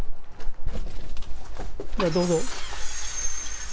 どうぞ。